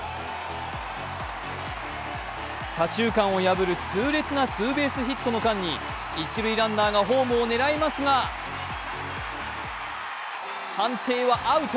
左中間を破る痛烈なツーベースヒットの間に一塁ランナーがホームを狙いますが、判定はアウト。